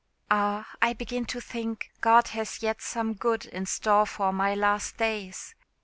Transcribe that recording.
Ah! I begin to think God has yet some good in store for my last days!